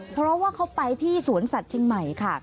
เพราะว่าเขาไปที่สวนสัตว์เชียงใหม่ค่ะ